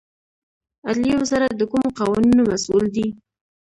عدلیې وزارت د کومو قوانینو مسوول دی؟